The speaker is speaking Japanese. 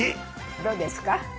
どうですか？